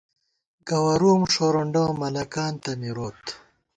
گوَرُوم ݭورونڈہ ، ملَکان تہ مِروت